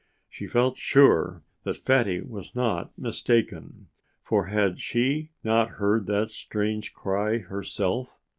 She felt sure that Fatty was not mistaken, for had she not heard that strange cry herself?